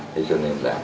thế cho nên